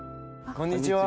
こんにちは。